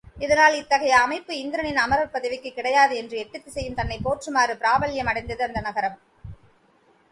இதனால் இத்தகைய அமைப்பு இந்திரனின் அமரர்பதிக்கும் கிடையாது என்று எட்டுத்திசையும் தன்னைப் போற்றுமாறு பிராபல்யம் அடைந்திருந்தது அந்த நகரம்.